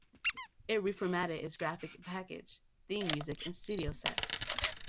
It reformatted its graphic package, theme music, and studio set.